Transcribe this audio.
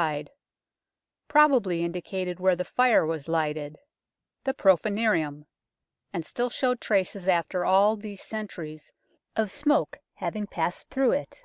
wide, probably in dicated where the fire was lighted the Prce furnium and still showed traces after all these centuries of smoke having passed through it.